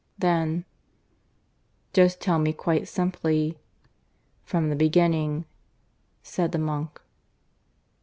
Then "Just tell me quite simply, from the beginning," said the monk.